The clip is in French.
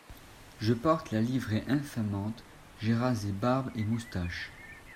Je porte la livrée infamante, j’ai rasé barbe et moustache…